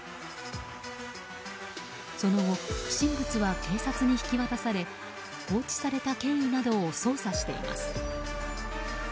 その後、不審物は警察に引き渡され放置された経緯などを捜査しています。